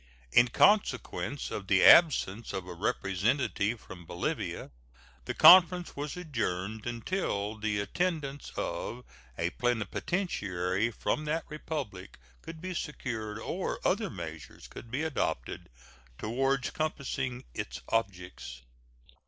In consequence of the absence of a representative from Bolivia, the conference was adjourned until the attendance of a plenipotentiary from that Republic could be secured or other measures could be adopted toward compassing its objects.